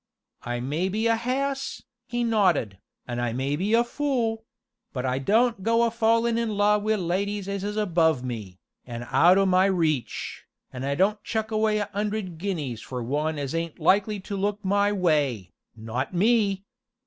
"I may be a hass," he nodded, "an' I may be a fool but I don't go a fallin' in love wi' ladies as is above me, an' out o' my reach, and don't chuck away a 'undred guineas for one as ain't likely to look my way not me!